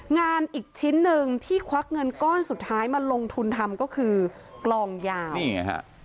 งานอีกชิ้นหนึ่งที่ควักเงินก้อนสุดท้ายมาลงทุนทำก็คือกลองยาวนี่ไงฮะ